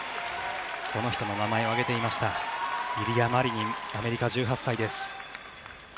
この人の名前を挙げていましたイリア・マリニンアメリカの１８歳です。